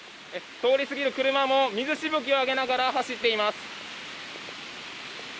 通り過ぎる車も水しぶきを上げながら走っています。